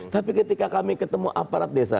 tapi ketika kami ketemu aparat desa